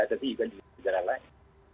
tapi juga di negara lain